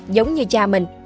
giống như cha mình